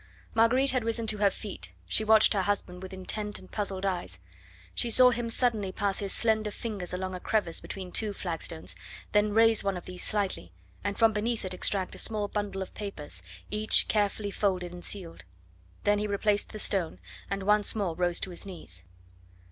Marguerite had risen to her feet; she watched her husband with intent and puzzled eyes; she saw him suddenly pass his slender fingers along a crevice between two flagstones, then raise one of these slightly and from beneath it extract a small bundle of papers, each carefully folded and sealed. Then he replaced the stone and once more rose to his knees.